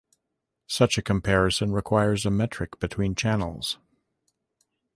Such a comparison requires a metric between channels.